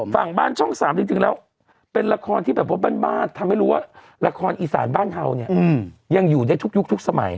ฝั่งบ้านช่อง๓จริงแล้วเป็นละครที่แบบว่าบ้านทำให้รู้ว่าละครอีสานบ้านเฮาเนี่ยยังอยู่ได้ทุกยุคทุกสมัย